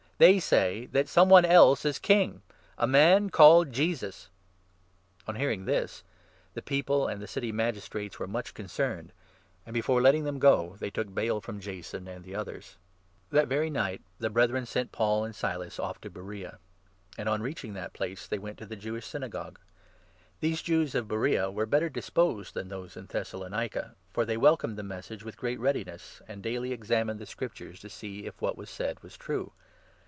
They say that some one else is king — a man called Jesus !" On hearing this, the people and the City Magistrates were 8 much concerned ; and, before letting them go, they took bail 9 from Jason and the others. Paul That very night the Brethren sent Paul and 10 at Beroea Silas off to Beroea ; and on reaching that place, they went to the Jewish Synagogue. These Jews of Beroea n were better disposed than those in Thessalonica, for they welcomed the Message with great readiness, and daily ex amined the Scriptures to see if what was said was true.